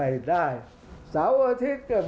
ภาคอีสานแห้งแรง